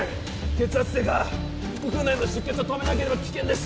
血圧低下腹腔内の出血を止めなければ危険です